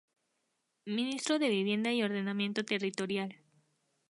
Ministro de Vivienda y Ordenamiento Territorial